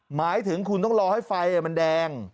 หมายถึงคุณต้องรอให้ไฟมันแดง